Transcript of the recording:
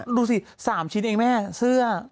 ดูสิ๓ชิ้นเองแม่เสื้อ